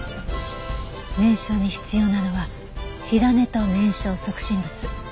燃焼に必要なのは火種と燃焼促進物。